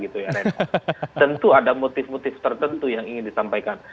tentu ada motif motif tertentu yang ingin disampaikan